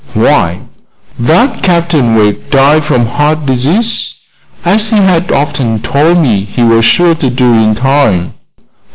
Why, that Captain Wegg died from heart disease, as he had often told me he was sure to do in time."